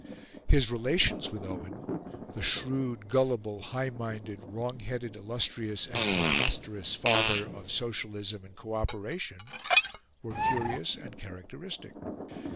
His relations with Owen the shrewd, gullible, high minded, wrong headed, illustrious and preposterous father of Socialism and Co operation were curious and characteristic.